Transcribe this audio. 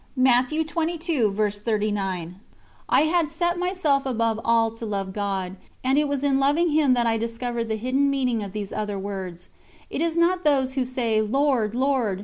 " I had set myself above all to love God, and it was in loving Him that I discovered the hidden meaning of these other words: "It is not those who say, Lord, Lord!